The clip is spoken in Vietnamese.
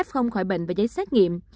f khỏi bệnh và giấy xét nghiệm